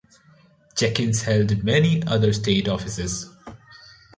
Jenkins held many other state offices.